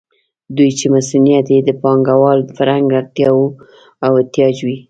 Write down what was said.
دوی چې مصونیت یې د پانګوال فرهنګ اړتیا او احتیاج وي.